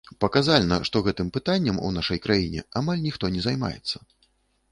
Паказальна, што гэтым пытаннем у нашай краіне амаль ніхто не займаецца.